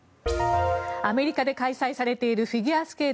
アメリカで開催されているフィギュアスケート